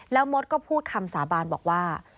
แล้วมดก็พูดคำสาบานบอกว่า